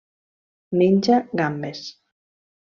Menja gambes.